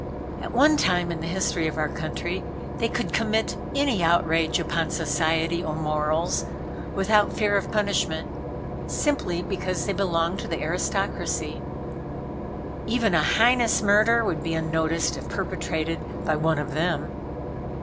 At one time in the history of our country they could commit any outrage upon society or morals without fear of punishment, simply because they belonged to the aristocracy. Even a heinous murder would be unnoticed if perpetrated by one of them.